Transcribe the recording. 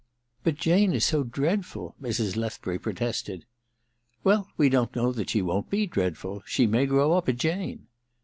* But Jane is so dreadful,' Mrs. Lethbury protested. *Well, we don't know that she won't be dreadful. She may grow up a Jane.